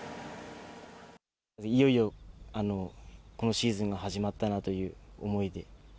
いよいよこのシーズンが始まったなという思いで。